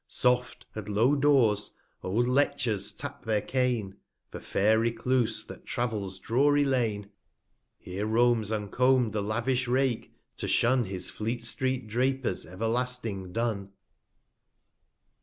Soft, at low Doors, old Letchers tap their Cane, For fair Recluse^ that travels Drury lane, 160 T R i r i A 21 Here roams uncomb'd, the lavish Rake, to shun His Fleet street Draper's everlasting Dun.